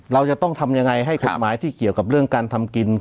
เราจะต้องทำยังไงให้กฎหมายที่เกี่ยวกับเรื่องการทำกิน